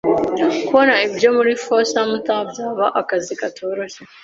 Kubona ibiryo muri Fort Sumter byaba akazi katoroshye.